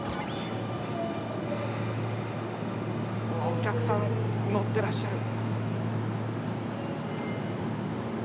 お客さん乗ってらっしゃる。